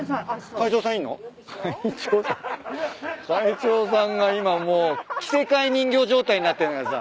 会長さんが今もう着せ替え人形状態になってんじゃないすか。